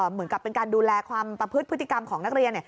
เหมือนกับเป็นการดูแลความประพฤติพฤติกรรมของนักเรียน